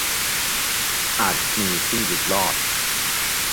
- อาจมีที่หลุดรอด